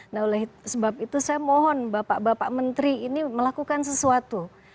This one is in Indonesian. nah oleh sebab itu saya mohon bapak bapak menteri ini melakukan sesuatu